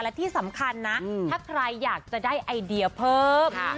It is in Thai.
และที่สำคัญนะถ้าใครอยากจะได้ไอเดียเพิ่ม